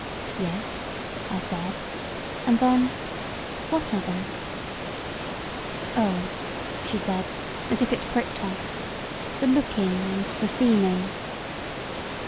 '*Yes," I said; and then, ''What others?" "Oh," she said, as if it pricked her, "the looking and the seeming."